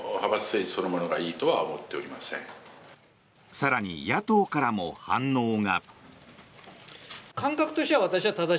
更に野党からも反応が。